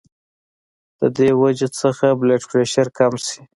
د دې وجې نه بلډ پرېشر کم شي